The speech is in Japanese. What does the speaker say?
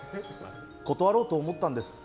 断ろうと思ったんです。